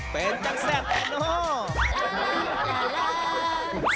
เป็นจังแสบแน่เนาะ